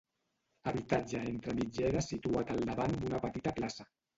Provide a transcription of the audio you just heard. Habitatge entre mitgeres situat al davant d'una petita plaça.